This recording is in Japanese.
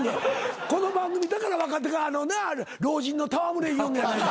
この番組だから若手が老人の戯れ言うのやないか。